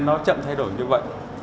nó chậm thay đổi như vậy